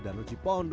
bukan ada di kolamnya